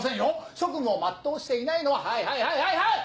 職務を全うしていないのははいはいはいはいはい！